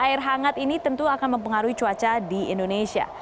air hangat ini tentu akan mempengaruhi cuaca di indonesia